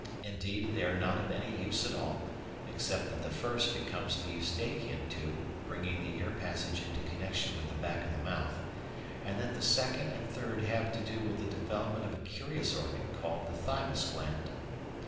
Indeed, they are not of any use at all, except that the first becomes the Eustachian tube bringing the ear passage into connection with the back of the mouth, and that the second and third have to do with the development of a curious organ called the thymus gland.